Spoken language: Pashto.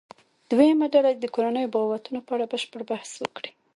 دویمه ډله دې د کورنیو بغاوتونو په اړه بشپړ بحث وکړي.